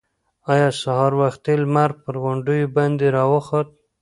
ایا سهار وختي لمر پر غونډیو باندې راوخوت؟